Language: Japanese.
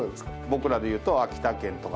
僕らでいうと秋田県とか。